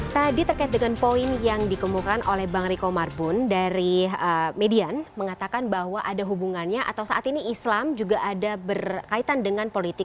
tadi terkait dengan poin yang dikemukakan oleh bang riko marbun dari median mengatakan bahwa ada hubungannya atau saat ini islam juga ada berkaitan dengan politik